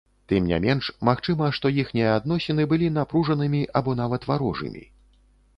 Тым не менш, магчыма, што іхнія адносіны былі напружанымі або нават варожымі.